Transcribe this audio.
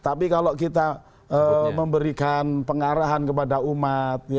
tapi kalau kita memberikan pengarahan kepada umat